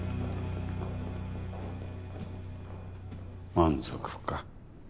満足か？